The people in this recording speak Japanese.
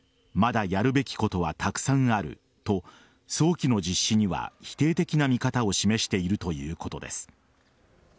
まだやるべきことはたくさんあると早期の実施には否定的な見方を示しているということです。